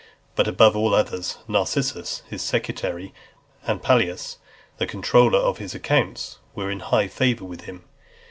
But above all others, Narcissus, his secretary, and Pallas , the comptroller of his accounts, were in high favour with him.